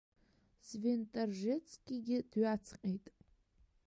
Свентаржецкигьы дҩаҵҟьеит.